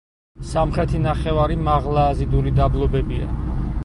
სამხრეთი ნახევარი მაღლა აზიდული დაბლობებია.